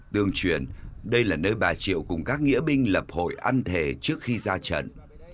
tương truyền đây là nơi bà triệu cùng các nghĩa binh lập hội ăn thề trước khi ra trận